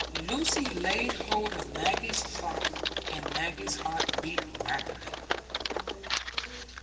Lucy laid hold of Maggie's frock, and Maggie's heart beat rapidly.